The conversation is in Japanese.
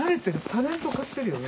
タレント化してるよね。